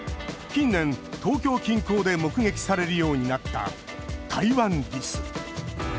近年、東京近郊で目撃されるようになったタイワンリス。